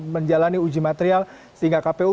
menjalani uji material sehingga kpu